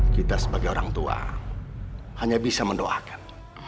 kita sebagai orang tua hanya bisa mendoakan